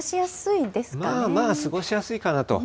まあまあ過ごしやすいかなと。